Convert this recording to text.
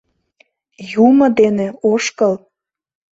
Юмо дене ошкыл.